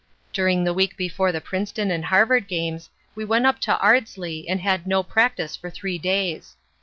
During the week before the Princeton and Harvard games we went up to Ardsley and had no practice for three days.